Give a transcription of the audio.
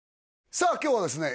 さあ今日はですね